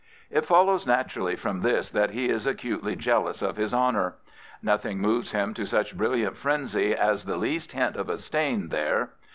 It follows naturally from this that he is acutely jealous of his honour. Nothing moves him to such brilliant frenzy as the least hint of a stain there.